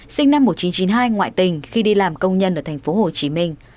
sinh năm một nghìn chín trăm chín mươi hai ngoại tình khi đi làm công nhân ở thành phố hồ chí minh